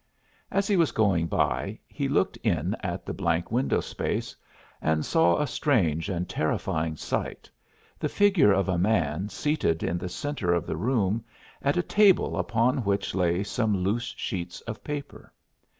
As he was going by he looked in at the blank window space and saw a strange and terrifying sight, the figure of a man seated in the centre of the room, at a table upon which lay some loose sheets of paper.